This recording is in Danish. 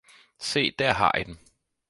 Se der har i dem